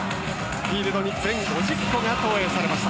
フィールドに全５０個が投影されました。